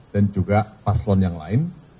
dan juga paslon yang lain